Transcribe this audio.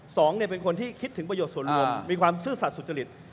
สองคนเป็นคนที่คิดถึงประโยชน์ส่วนรวมมีความซื่อสัตว์สุจริต